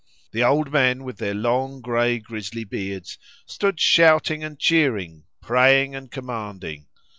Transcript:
The old men, with their long grey grisly beards, stood shouting and cheering, praying and commanding.